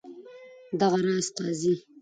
دغه راز قاضي.